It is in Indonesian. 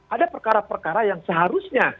ada perkara perkara yang seharusnya